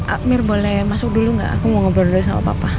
akmir boleh masuk dulu nggak aku mau ngobrol dulu sama papa